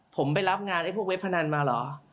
ผมไปรับงานเด่ทุกครับเค้าพวกเว็บพนันมาหรอ